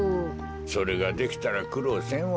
それができたらくろうせんわい。